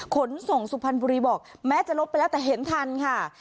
ขนส่งสุพรรณบุรีบอกแม้จะลบไปแล้วแต่เห็นทันค่ะ